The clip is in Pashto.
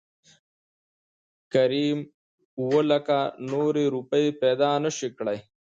کريم اووه لکه نورې روپۍ پېدا نه شوى کړى .